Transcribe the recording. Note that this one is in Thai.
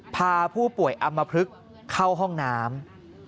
พาผู้ป่วยอำมพลึกเข้าห้องน้ำ